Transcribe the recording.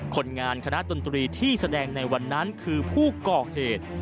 คนงานคณะดนตรีที่แสดงในวันนั้นคือผู้ก่อเหตุ